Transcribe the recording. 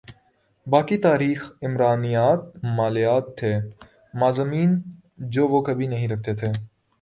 باقی تاریخ عمرانیات مالیات تھے مضامین جو وہ کبھی نہیں رکھتے تھے